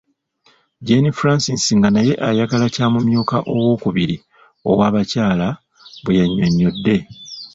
Jane Francis nga naye ayagala kya mumyuka owookubiri ow'abakyala bwe yannyonnyodde.